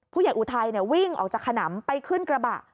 ผู้ใหญ่อุทัยเนี้ยวิ่งออกจากขนำไปขึ้นกระบะ